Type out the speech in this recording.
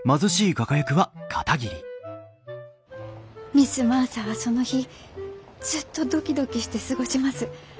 ミス・マーサはその日ずっとドキドキして過ごします。